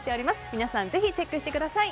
皆さんぜひチェックしてください。